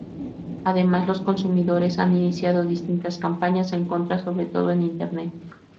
Además, los consumidores han iniciado distintas campañas en contra, sobre todo en Internet.